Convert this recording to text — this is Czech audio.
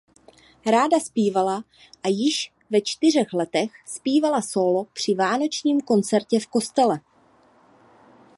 Ráda zpívala a již ve čtyřech letech zpívala sólo při Vánočním koncertě v kostele.